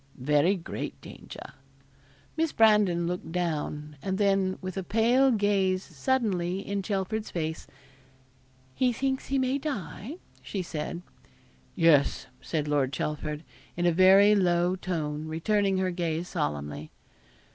'Very great danger.' Miss Brandon looked down, and then, with a pale gaze suddenly in Chelford's face 'He thinks he may die?' said she. 'Yes,' said Lord Chelford, in a very low tone, returning her gaze solemnly.